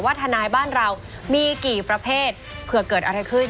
ทนายบ้านเรามีกี่ประเภทเผื่อเกิดอะไรขึ้น